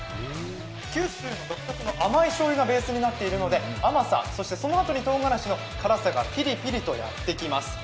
九州独特の甘いしょうゆがベースになっているので甘さ、そしてそのあとにとうがらしの辛さがピリピリとやってきます。